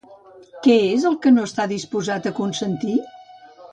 Què és el que no està dispost a consentir?